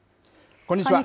こんにちは。